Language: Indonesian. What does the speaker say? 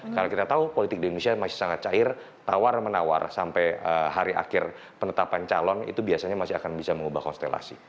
karena kita tahu politik di indonesia masih sangat cair tawar menawar sampai hari akhir penetapan calon itu biasanya masih akan bisa mengubah konstelasi